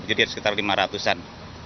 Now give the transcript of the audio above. jadi sekitar lima ratusan